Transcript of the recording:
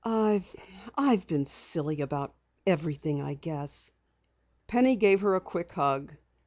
"I I've been silly about everything, I guess." Penny gave her a quick hug.